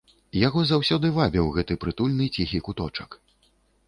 Яго заўсёды вабіў гэты прытульны ціхі куточак.